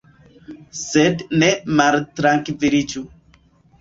Sed ne maltrankviliĝu.